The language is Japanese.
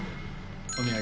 お土産。